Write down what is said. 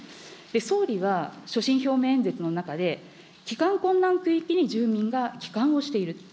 総理は、所信表明演説の中で、帰還困難区域に住民が帰還をしている。